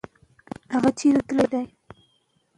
فعالیتونه د ماشوم ټولنیز مهارتونه قوي کوي.